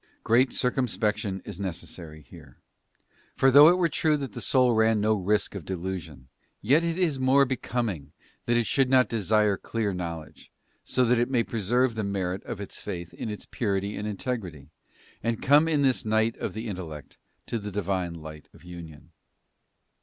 Great circumspection is necessary here; for though it were true that the soul ran no risk of delusion, yet is it more becoming that it should not desire clear knowledge, so that it may preserve the merit of its faith in its purity and integrity, and come in this Night of the In tellect to the Divine light of Union.